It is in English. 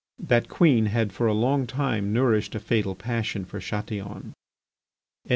That Queen had for a long time nourished a fatal passion for Chatillon. VII.